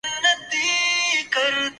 ایک معمولی تصحیح